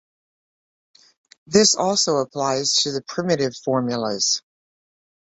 This also applies to the primitive formulas.